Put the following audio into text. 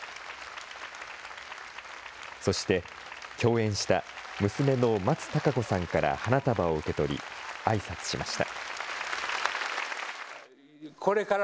そして、共演した娘の松たか子さんから花束を受け取り、あいさつしました。